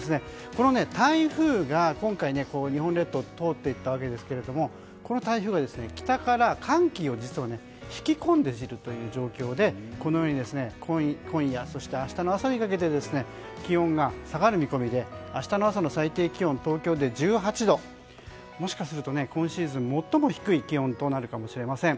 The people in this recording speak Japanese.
この台風が日本列島を通っていったわけですがこの台風が北から寒気を引き込んでいるという状況でこのように今夜そして明日の朝にかけて気温が下がる見込みで明日の朝の最低気温東京で１８度もしかすると今シーズンで最も低い気温となるかもしれません。